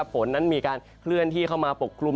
ฝนนั้นมีการเคลื่อนที่เข้ามาปกกลุ่ม